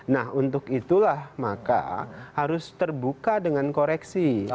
nah untuk itulah maka harus terbuka dengan koreksi